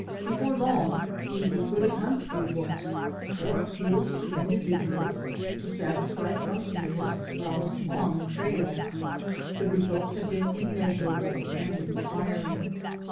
Before long he eagerly hunts through books or appeals to in dividuals to satisfy some interest roused on the trail. The results have been immeasurable and inspiring.